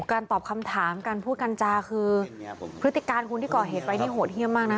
การตอบคำถามการพูดกัญจาคือพฤติการคนที่ก่อเหตุไปนี่โหดเยี่ยมมากนะ